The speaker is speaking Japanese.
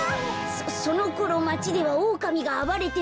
そのころまちではオオカミがあばれてました。